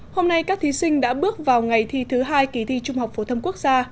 hôm nay các thí sinh đã bước vào ngày thi thứ hai kỳ thi trung học phổ thông quốc gia